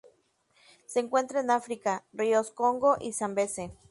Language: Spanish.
Se encuentran en África: ríos Congo y Zambeze.